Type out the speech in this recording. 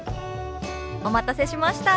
お待たせしました。